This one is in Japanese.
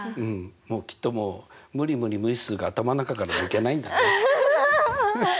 きっともう「無理無理無理っす」が頭の中から抜けないんだね。